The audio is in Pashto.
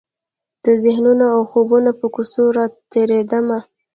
د ذهنونو او خوبونو پر کوڅو راتیریدمه